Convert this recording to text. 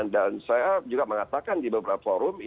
dan saya juga mengatakan di beberapa forum